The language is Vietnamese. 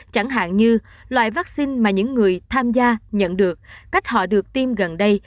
chẳng hạn như loại vaccine mà những người tham gia nhận được cách họ được tiêm gần đây